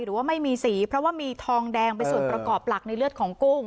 หรือว่าไม่มีสีเพราะว่ามีทองแดงเป็นส่วนประกอบหลักในเลือดของกุ้ง